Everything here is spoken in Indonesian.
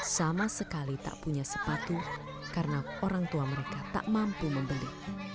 sama sekali tak punya sepatu karena orang tua mereka tak mampu membeli